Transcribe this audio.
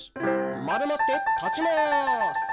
まるまって立ちまーす。